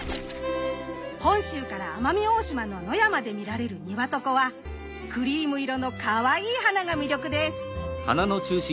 本州から奄美大島の野山で見られるニワトコはクリーム色のかわいい花が魅力です。